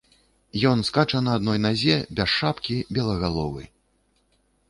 Ён скача на адной назе, без шапкі, белагаловы.